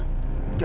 kamilah itu adalah